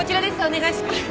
お願いします。